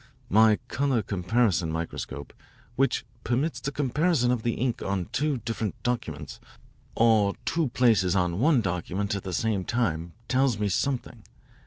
My colour comparison microscope, which permits the comparison of the ink on two different documents or two places on one document at the same time, tells me something.